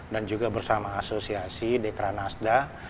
dan juga bersama asosiasi dekra nasdaq